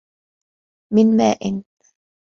مِنْ مَاءٍ